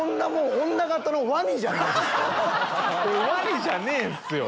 俺ワニじゃねえんすよ！